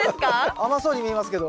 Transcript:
甘そうに見えますけど。